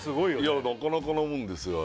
なかなかなもんですよ